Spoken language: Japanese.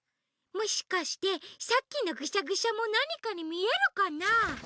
もしかしてさっきのグシャグシャもなにかにみえるかなあ？